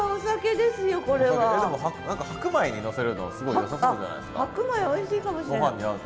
でも何か白米にのせるのすごいよさそうじゃないですか。